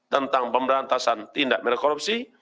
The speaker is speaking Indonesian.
tentang pemberantasan tindak benar korupsi